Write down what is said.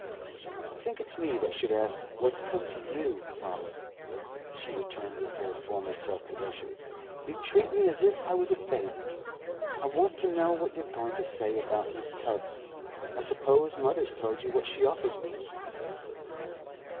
'I think it's me that should ask what's come to you, father,' she returned with her former self possession. 'You treat me as if I was a baby. I want to know what you're going to say about Mrs. Tubbs. I suppose mother's told you what she offers me?